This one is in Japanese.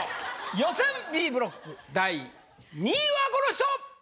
予選Ｂブロック第２位はこの人！